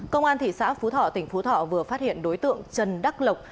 công an thị xã phú thọ tỉnh phú thọ vừa phát hiện đối tượng trần đắc lộc